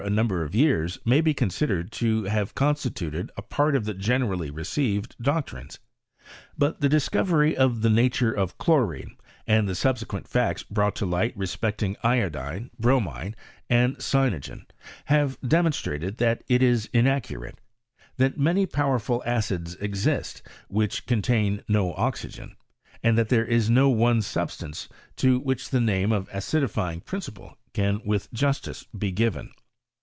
number of years may be considered to have con stituted a part of ther generally received doctrines. But the discovery of the nature of chlorine, and the subsequent facts brought to light respecting iodine, bromine, and cyanogen, have demonstrated that it is inaccurate ; that many powerful acids exist which contain no oxygen, and that there is no one sub stance to which the name of acidifying principle caa. with justice be given.